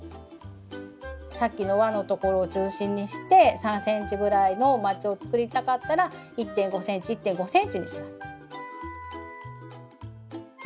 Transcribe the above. さっきのわのところを中心にして３ｃｍぐらいのまちを作りたかったら１．５ｃｍ１．５ｃｍにします。